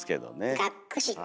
がっくし。